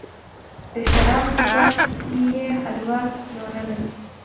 د شرابو دوکان کې یې حلوا پلورله.